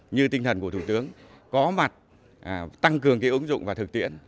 như tinh thần của thủ tướng có mặt tăng cường ứng dụng và thực tiễn